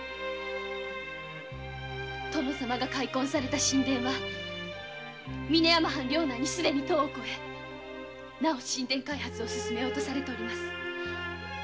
殿様が開墾された新田は領内にはすでに１０を越えなお開発を進めようとされております。